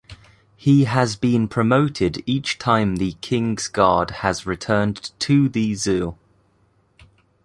He has been promoted each time the King's Guard has returned to the zoo.